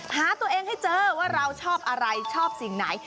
หาตัวเองให้เจอว่าเราชอบอะไรชอบสิ่งไหน